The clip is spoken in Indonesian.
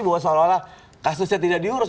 bahwa seolah olah kasusnya tidak diurus